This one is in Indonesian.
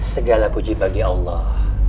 segala puji bagi allah